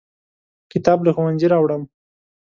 کتاب له ښوونځي راوړم.